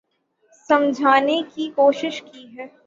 سمجھانے کی کوشش کی ہے